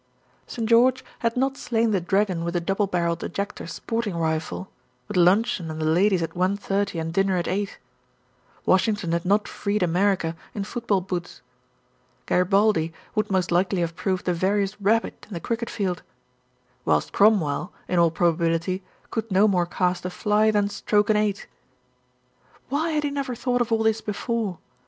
St. George had not slain the dragon with a double barrelled ejector sporting rifle, with luncheon and the ladies at one thirty and dinner at eight; Washington had not freed America in football boots; Garibaldi would most likely have proved the veriest rabbit in the cricket field; whilst Cromwell, in all probability, could no more cast a fly than stroke an eight. Why had he never thought of all this before?